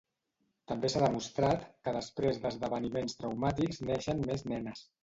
També s'ha demostrat que després d'esdeveniments traumàtics neixen més nenes.